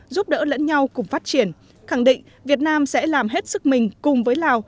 giúp đỡ lẫn nhau cùng phát triển khẳng định việt nam sẽ làm hết sức mình cùng với lào